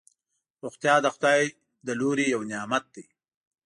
روغتیا دخدای ج له لوری یو نعمت دی